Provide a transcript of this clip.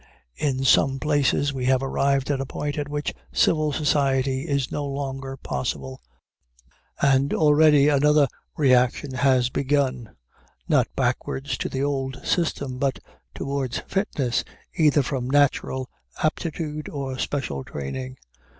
In some places, we have arrived at a point at which civil society is no longer possible, and already another reaction has begun, not backwards to the old system, but towards fitness either from natural aptitude or special training.